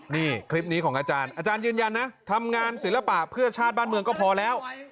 นี่คลิปนี้ของอาจารย์อาจารย์ยืนยันนะทำงานศิลปะเพื่อชาติบ้านเมืองก็พอแล้ว